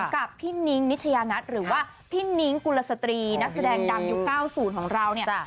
กับพี่นิ้งนิชยานัทหรือว่าพี่นิ้งกุลสตรีนักแสดงดังยุค๙๐ของเราเนี่ย